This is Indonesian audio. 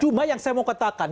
cuma yang saya mau katakan